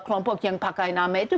kelompok yang pakai nama itu